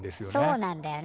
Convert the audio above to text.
そうなんだよな。